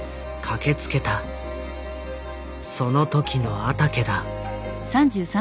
その時の阿竹だ。